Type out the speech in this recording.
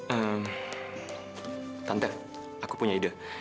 ehm tante aku punya ide